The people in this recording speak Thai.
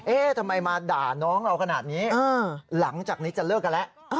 ทำไมมาด่าน้องเราขนาดนี้หลังจากนี้จะเลิกกันแล้ว